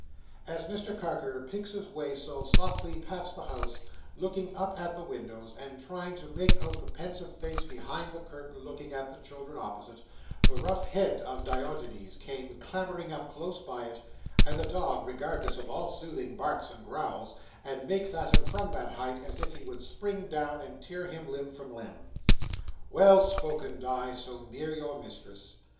As Mr Carker picks his way so softly past the house, looking up at the windows, and trying to make out the pensive face behind the curtain looking at the children opposite, the rough head of Diogenes came clambering up close by it, and the dog, regardless of all soothing, barks and growls, and makes at him from that height, as if he would spring down and tear him limb from limb. Well spoken, Di, so near your Mistress!